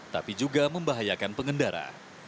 tapi juga membahayakan pengendara